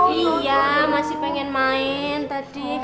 iya masih pengen main tadi